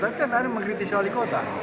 tapi kan tadi mengkritisi wali kota